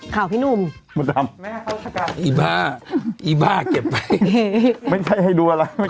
ข่าวพี่หนุ่มอีบ้าอีบ้าเก็บไปไม่ใช่ให้ดูอะไร